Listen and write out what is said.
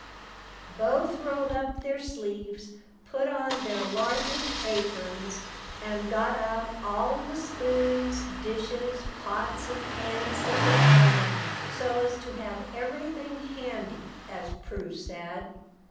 Both rolled up their sleeves, put on their largest aprons, and got out all the spoons, dishes, pots, and pans they could find, "so as to have everything handy," as Prue said.